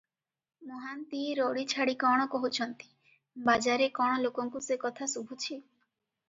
ମହାନ୍ତିଏ ରଡ଼ି ଛାଡ଼ି କଣ କହୁଛନ୍ତି, ବାଜାରେ କଣ ଲୋକଙ୍କୁ ସେ କଥା ଶୁଭୁଛି?